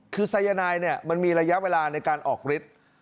คือสายนายมันมีระยะเวลาในการออกฤทธิ์